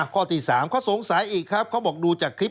ข้อที่๓เขาสงสัยอีกครับเขาบอกดูจากคลิป